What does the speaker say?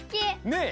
ねえ。